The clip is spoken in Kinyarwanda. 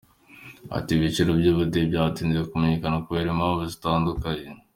Ati “Ibyiciro by’ubudehe byatinze kumenyekana kubera impamvu zitandukanye.